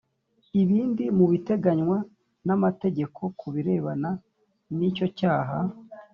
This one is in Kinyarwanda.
ibindi mu biteganywa n amategeko ku birebana n icyo cyaha